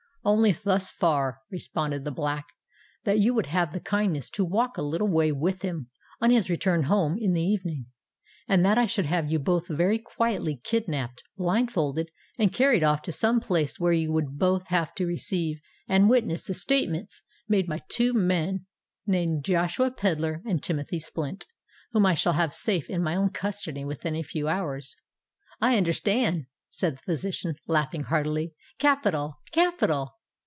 "Only thus far," responded the Black: "that you would have the kindness to walk a little way with him on his return home in the evening, and that I should have you both very quietly kidnapped, blindfolded, and carried off to some place where you would both have to receive and witness the statements made by two men named Joshua Pedler and Timothy Splint, whom I shall have safe in my own custody within a few hours." "I understand," said the physician, laughing heartily. "Capital! capital!